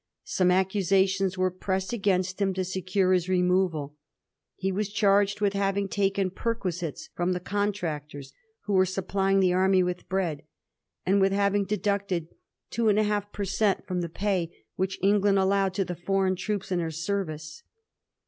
Some accusations were pressed against him to secure his removal. He was <;harged with having taken perquisites fi*om the con tractors who were supplying the army with bread, and with having deducted 2^ per cent, from the pay which England allowed to the foreign troops in her service.